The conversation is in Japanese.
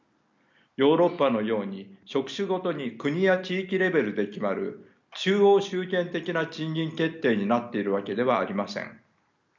ヨーロッパのように職種ごとに国や地域レベルで決まる中央集権的な賃金決定になっているわけではありません。